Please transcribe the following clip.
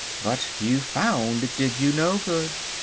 "But you found it did you no good.